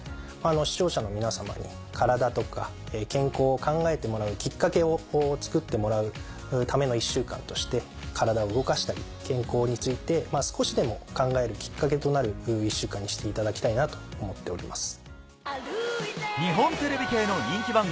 視聴者の皆様にカラダとか健康を考えてもらうきっかけを作ってもらうための１週間としてカラダを動かしたり健康について少しでも考えるきっかけとなる１週間にしていただきたいなと思っております。